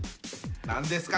何ですか？